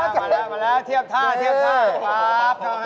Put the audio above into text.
มาแล้วเทียบท่าขอบคุณครับ